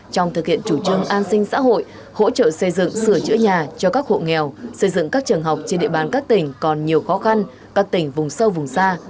trong thực hiện chủ trương an sinh xã hội hỗ trợ xây dựng sửa chữa nhà cho các hộ nghèo xây dựng các trường học trên địa bàn các tỉnh còn nhiều khó khăn các tỉnh vùng sâu vùng xa